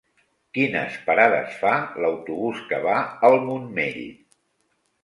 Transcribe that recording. Quines parades fa l'autobús que va al Montmell?